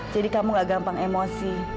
jadi kamu gak gampang emosi